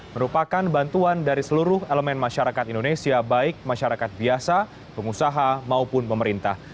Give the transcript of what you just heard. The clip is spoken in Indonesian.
merupakan bantuan dari seluruh elemen masyarakat indonesia baik masyarakat biasa pengusaha maupun pemerintah